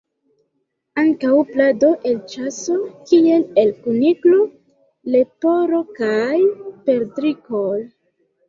Ankaŭ plado el ĉaso, kiel el kuniklo, leporo kaj perdrikoj.